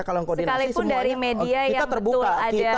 sekalipun dari media yang betul ada